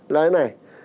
là cái này